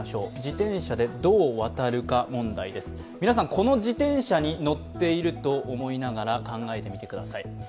皆さん、この自転車に乗っていると思いながら考えてみてください。